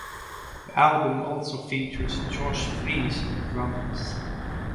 The album also features Josh Freese on drums.